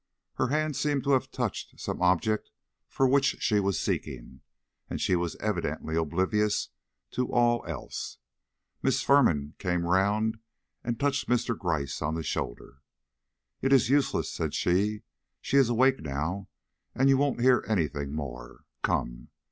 Her hand seemed to have touched some object for which she was seeking, and she was evidently oblivious to all else. Miss Firman came around and touched Mr. Gryce on the shoulder. "It is useless," said she; "she is awake now, and you won't hear any thing more; come!"